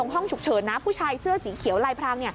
ห้องฉุกเฉินนะผู้ชายเสื้อสีเขียวลายพราง